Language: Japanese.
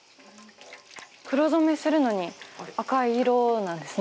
黒染めするのに赤い色なんですね